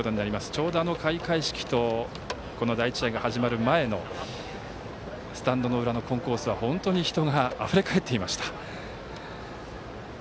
ちょうど開会式とこの第１試合が始まる前のスタンドの裏のコンコースは人があふれかえっていました。